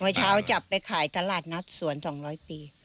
เช้าจับไปขายตลาดนัดสวน๒๐๐ปี